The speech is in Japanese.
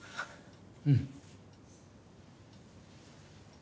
うん。